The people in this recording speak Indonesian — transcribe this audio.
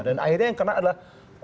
dan akhirnya yang kena adalah